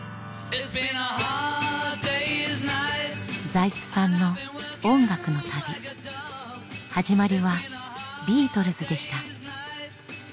財津さんの音楽の旅始まりはビートルズでした。